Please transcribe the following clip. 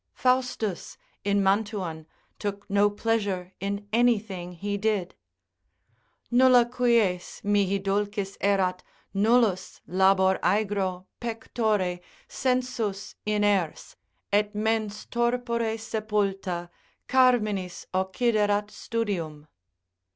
Faustus, in Mantuan, took no pleasure in anything he did, Nulla quies mihi dulcis erat, nullus labor aegro Pectore, sensus iners, et mens torpore sepulta, Carminis occiderat studium.